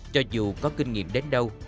cho dù có kinh nghiệm đến đâu